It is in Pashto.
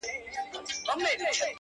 خداى خو دي وكړي چي صفا له دره ولويـــږي~